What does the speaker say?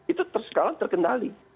itu sekarang terkendali